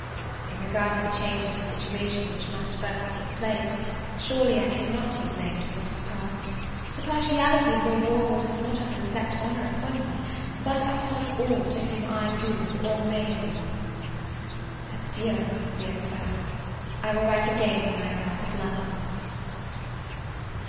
In regard to the change in my situation which must first take place, surely I cannot be blamed for what has passed! the partiality of Lord Orville must not only reflect honour upon me, but upon all to whom I do, or may belong. Adieu, most dear Sir, I will write again when I arrive at London.